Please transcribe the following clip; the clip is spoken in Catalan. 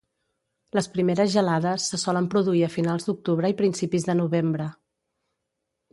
Les primeres gelades se solen produir a finals d'Octubre i principis de Novembre.